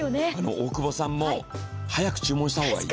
大久保さんも、早く注文した方がいい。